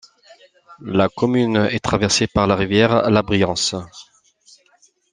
La commune est traversée par la rivière, la Briance.